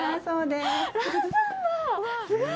そうです。